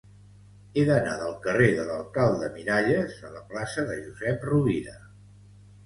He d'anar del carrer de l'Alcalde Miralles a la plaça de Josep Rovira.